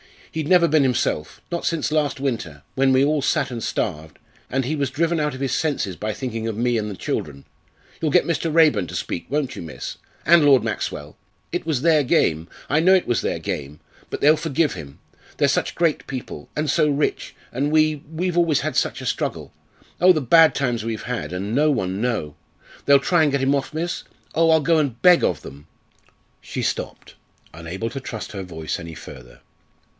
He'd never been himself, not since last winter, when we all sat and starved, and he was driven out of his senses by thinking of me and the children. You'll get Mr. Raeburn to speak won't you, miss? and Lord Maxwell? It was their game. I know it was their game. But they'll forgive him. They're such great people, and so rich and we we've always had such a struggle. Oh, the bad times we've had, and no one know! They'll try and get him off, miss? Oh, I'll go and beg of them.'" She stopped, unable to trust her voice any further.